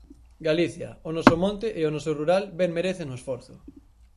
Galicia, o noso monte e o noso rural ben merecen o esforzo.